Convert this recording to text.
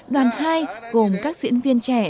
đoàn hai gồm các diễn viên trẻ